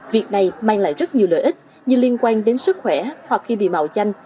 việc này mang lại rất nhiều lợi ích như liên quan đến sức khỏe hoặc khi bị mạo danh